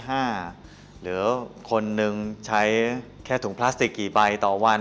หรือคนหนึ่งใช้แค่ถุงพลาสติกกี่ใบต่อวัน